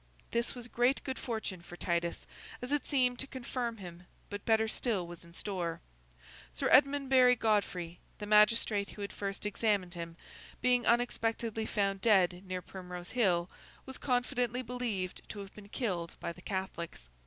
This was great good fortune for Titus, as it seemed to confirm him; but better still was in store. Sir Edmundbury Godfrey, the magistrate who had first examined him, being unexpectedly found dead near Primrose Hill, was confidently believed to have been killed by the Catholics.